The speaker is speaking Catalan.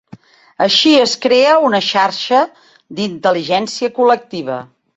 Així es crea una xarxa d'intel·ligència col·lectiva.